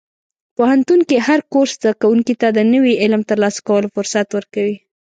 پوهنتون کې هر کورس زده کوونکي ته د نوي علم ترلاسه کولو فرصت ورکوي.